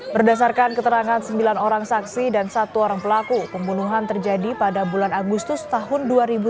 berdasarkan keterangan sembilan orang saksi dan satu orang pelaku pembunuhan terjadi pada bulan agustus tahun dua ribu tujuh belas